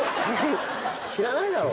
知らないだろ？